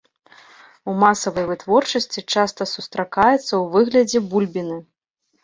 У масавай вытворчасці часта сустракаецца ў выглядзе бульбіны.